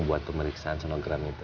buat pemeriksaan sonogram itu